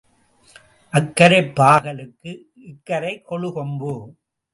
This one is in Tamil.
அக்கரைப் பாகலுக்கு இக்கரைக் கொழுகொம்பு.